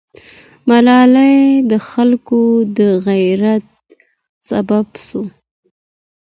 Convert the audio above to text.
ملالۍ د خلکو د غیرت سبب سوه.